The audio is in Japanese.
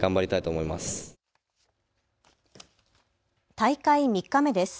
大会３日目です。